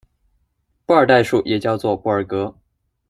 布尔代数也叫做布尔格。